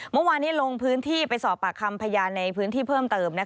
เมื่อวานนี้ลงพื้นที่ไปสอบปากคำพยานในพื้นที่เพิ่มเติม